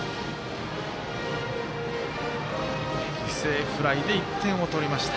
犠牲フライで１点を取りました。